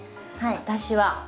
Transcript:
私は。